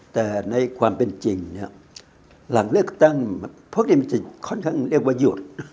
แต่ในความเป็นจริงเนี่ยหลังเลือกตั้งพวกนี้มันจะค่อนข้างเรียกว่าหยุด